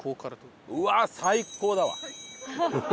うわあ最高だわ。